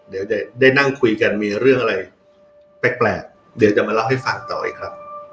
เดี๋ยวจะได้นั่งคุยกันมีเรื่องอะไรแปลกเดี๋ยวจะมาเล่าให้ฟังต่ออีกครับ